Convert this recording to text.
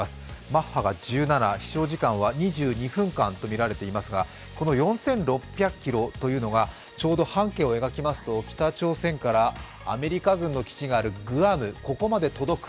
マッハが１７、飛しょう時間は２２分間とみられていますがこの４６００ｋｍというのがちょうど半径を描きますと、北朝鮮からアメリカ軍の基地があるグアム、ここまで届く。